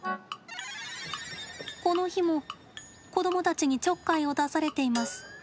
この日も、子どもたちにちょっかいを出されています。